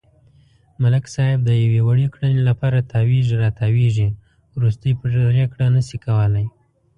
ملک صاحب د یوې وړې کړنې لپاره تاوېږي را تاووېږي، ورستۍ پرېکړه نشي کولای.